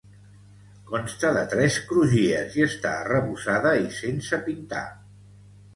Consta de tres crugies i està arrebossada i sense pintar.